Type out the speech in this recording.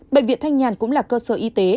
bệnh viện thanh nhàn cũng là cơ sở y tế